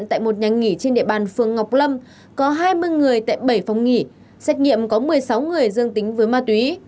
trong đó tại chỗ có một mươi sáu người tại quán dương tính với ma túy